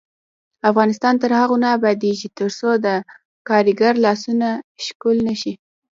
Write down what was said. افغانستان تر هغو نه ابادیږي، ترڅو د کارګر لاسونه ښکل نشي.